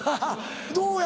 どうや？